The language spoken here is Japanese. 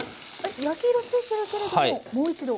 焼き色ついてるけれどももう一度？